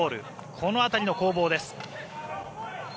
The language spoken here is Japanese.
この辺りの攻防です。